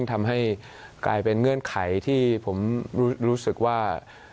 ที่ผมรู้สึกว่า